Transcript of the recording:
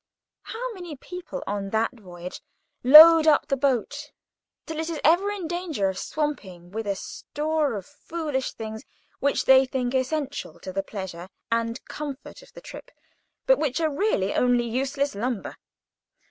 How many people, on that voyage, load up the boat till it is ever in danger of swamping with a store of foolish things which they think essential to the pleasure and comfort of the trip, but which are really only useless lumber.